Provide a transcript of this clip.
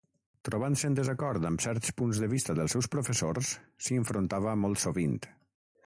Trobant-se en desacord amb certs punts de vista dels seus professors, s'hi enfrontava molt sovint.